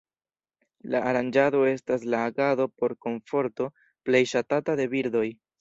La Aranĝado estas la agado por komforto plej ŝatata de birdoj.